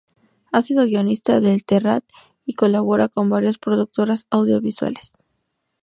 Ha sido guionista de El Terrat y colabora con varias productoras audiovisuales.